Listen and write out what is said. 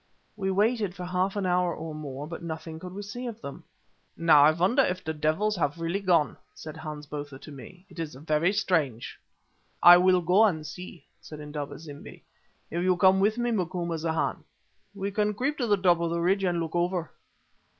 We waited for half an hour or more, but nothing could we see of them. "Now I wonder if the devils have really gone," said Hans Botha to me. "It is very strange." "I will go and see," said Indaba zimbi, "if you will come with me, Macumazahn. We can creep to the top of the ridge and look over."